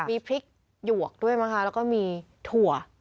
มีพริกหยวกด้วยมั้งคะแล้วก็มีถั่ว